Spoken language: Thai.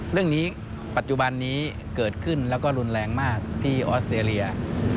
เรื่องนี้ปัจจุบันนี้เกิดขึ้นแล้วก็รุนแรงมากที่ออสเตรเลีย